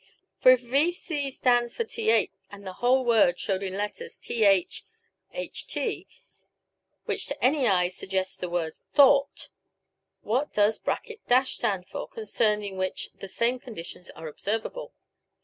V.)C )C .V .<.[].[].<. For, if.V )C stands for th, and the whole word showed in letters th ht, which to any eye suggests the word thought, what does.<.[ ] stand for, concerning which the same conditions are observable?